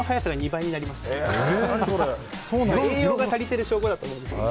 栄養が足りてる証拠だと思うんですけど。